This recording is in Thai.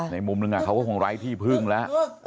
ในมุมหนึ่งเขาก็คงไร้ที่พึ่งแล้ว